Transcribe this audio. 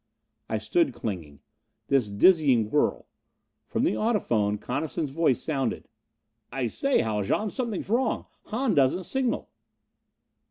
I stood clinging. This dizzying whirl! From the audiphone grid Coniston's voice sounded. "I say, Haljan, something's wrong! Hahn doesn't signal."